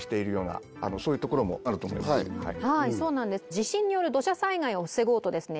地震による土砂災害を防ごうとですね